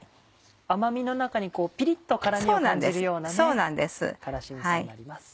甘味の中にピリっと辛味を感じるような辛子みそになります。